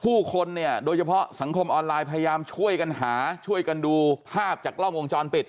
ผู้คนเนี่ยโดยเฉพาะสังคมออนไลน์พยายามช่วยกันหาช่วยกันดูภาพจากกล้องวงจรปิด